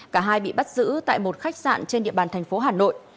cả hai bị bắt giữ tại một khách sạn trên địa bàn thành phố hà nội